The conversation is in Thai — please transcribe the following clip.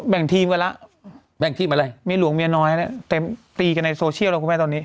แบ่งทีมกันแล้วแบ่งทีมอะไรเมียหลวงเมียน้อยเนี่ยเต็มตีกันในโซเชียลแล้วคุณแม่ตอนนี้